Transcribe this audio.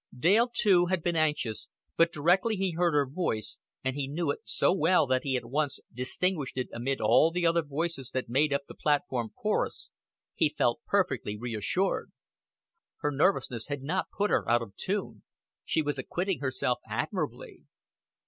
Dale too had been anxious, but directly he heard her voice and he knew it so well that he at once distinguished it amid all the other voices that made up the platform chorus he felt perfectly reassured. Her nervousness had not put her out of tune: she was acquitting herself admirably.